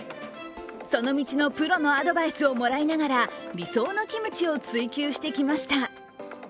その道のプロのアドバイスをもらいながら理想のキムチを追求してきました。